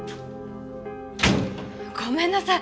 ごめんなさい。